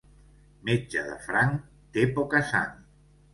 Metge de franc té poca sang.